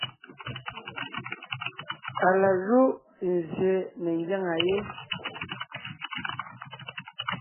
Á la júʼ nzsyè ne ńgyáŋa yé,